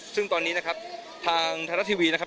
ซึ่งตอนนี้นะครับทางไทยรัฐทีวีนะครับ